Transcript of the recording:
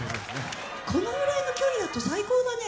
このぐらいの距離だと最高だね。